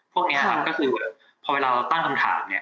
พวกนี้ครับก็คือแบบพอเวลาเราตั้งคำถามเนี่ย